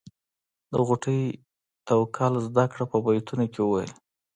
د غوټۍ توکل زده کړه په بیتونو کې وویل.